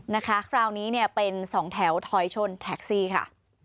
นะคะคราวนี้เนี่ยเป็นสองแถวถอยชนแท็กซี่ค่ะ